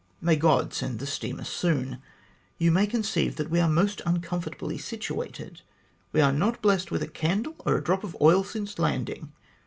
May God send the steamer soon. You may conceive that we are most uncomfortably situated. We have not been blessed with a candle or a drop of oil since landing.